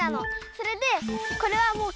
それでこれはもう。